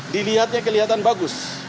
dilihatnya kelihatan bagus